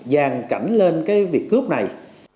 dàn cảnh lên cái việc cướp này